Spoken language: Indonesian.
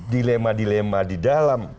dilema dilema di dalam